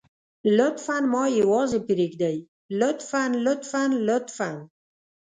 لطفاً ما يوازې پرېږدئ لطفاً لطفاً لطفاً.